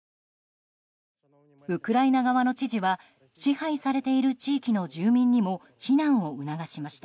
ウクライナ側の知事は支配されている地域の住民にも避難を促しました。